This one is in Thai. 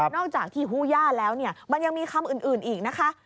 อกจากที่ฮู้ย่าแล้วเนี่ยมันยังมีคำอื่นอีกนะคะ